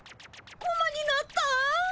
コマになったん？